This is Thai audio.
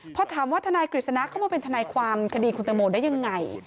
พอถามว่าทนายกฤษณะเข้ามาเป็นทนายความคดีคุณตังโมได้ยังไง